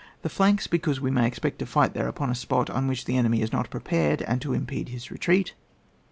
The flanks, because we may ex pect io fight there upon a spot on which thesfnemy is not prepared, and to impede his retreat.